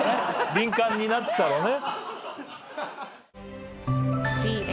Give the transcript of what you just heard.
敏感になってたろうね。